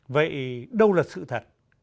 vậy đâu là sự thật